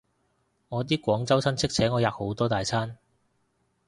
我啲廣州親戚請我吔好多大餐